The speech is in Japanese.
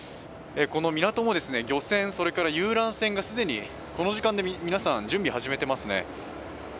この港も漁船、それから遊覧船が既にこの時間で皆さん、準備始めていますね。